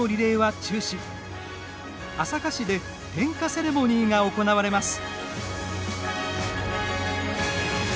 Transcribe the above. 朝霞市で点火セレモニーが行われます。